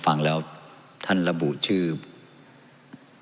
ท่านประธานครับนี่คือสิ่งที่สุดท้ายของท่านครับ